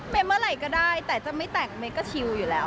เป็นเมื่อไหร่ก็ได้แต่จะไม่แต่งเมคก็ชิวอยู่แล้ว